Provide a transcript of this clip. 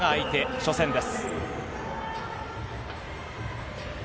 初戦です。